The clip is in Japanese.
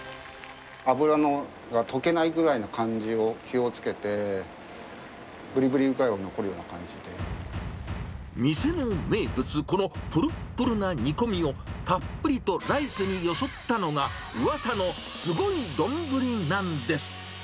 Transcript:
脂がとけないぐらいの感じを気をつけて、店の名物、このぷるっぷるな煮込みを、たっぷりとライスによそったのが、うわさのすごい丼なんです。